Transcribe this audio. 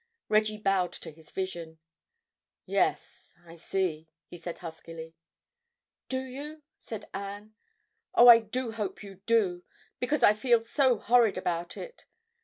Reggie bowed to his vision. "Yes, I see," he said huskily. "Do you?" said Anne. "Oh, I do hope you do. Because I feel so horrid about it.